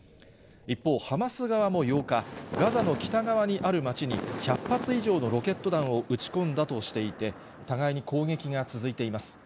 一方、ハマス側も８日、ガザの北側にある町に１００発以上のロケット弾を撃ち込んだとしていて、互いに攻撃が続いています。